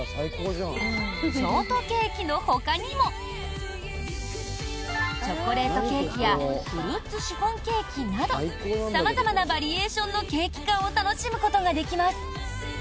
ショートケーキのほかにもチョコレートケーキやフルーツシフォンケーキなど様々なバリエーションのケーキ缶を楽しむことができます。